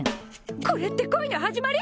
これって恋の始まり？